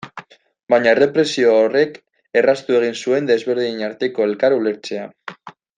Baina errepresio horrek erraztu egin zuen desberdinen arteko elkar ulertzea.